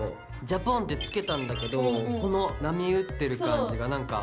ジャポンってつけたんだけどこの波打ってる感じがなんか。